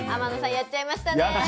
やっちゃいました。